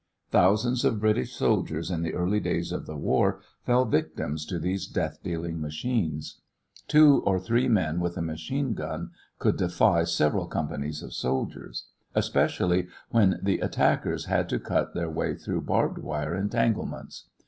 Thousands of British soldiers in the early days of the war fell victims to these death dealing machines. Two or three men with a machine gun could defy several companies of soldiers, especially when the attackers had to cut their way through barbed wire entanglements.